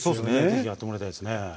是非やってもらいたいですね。